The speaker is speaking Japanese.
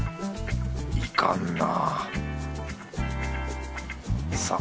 いかんなあ。